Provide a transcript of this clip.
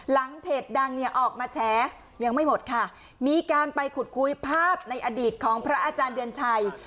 เพจดังเนี่ยออกมาแฉยังไม่หมดค่ะมีการไปขุดคุยภาพในอดีตของพระอาจารย์เดือนชัย